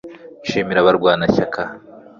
nshimira abarwanashyaka